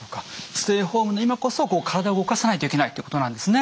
ステイホームの今こそ体を動かさないといけないってことなんですね。